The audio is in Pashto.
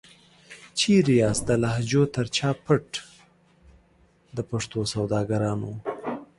چيري یاست د لهجو تر شا پټ د پښتو سوداګرانو؟